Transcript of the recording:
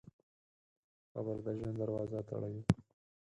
قبر د ژوند دروازه تړوي.